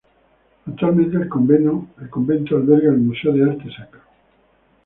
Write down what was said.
Actualmente, el convento alberga el Museo de Arte Sacro.